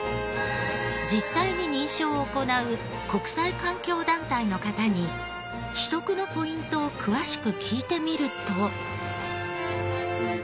実際に認証を行う国際環境団体の方に取得のポイントを詳しく聞いてみると。